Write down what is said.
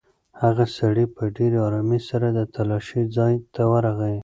هغه سړی په ډېرې ارامۍ سره د تالاشۍ ځای ته ورغی.